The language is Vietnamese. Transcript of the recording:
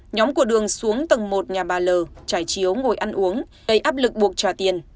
nhóm của đường xuống tầng một nhà bà l trải chiếu ngồi ăn uống gây áp lực buộc trả tiền